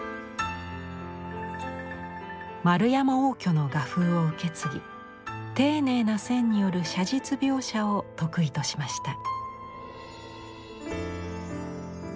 円山応挙の画風を受け継ぎ丁寧な線による写実描写を得意としました。